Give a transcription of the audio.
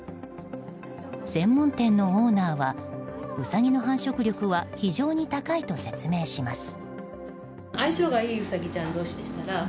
専門店のオーナーはウサギの繁殖力は非常に高いと説明します。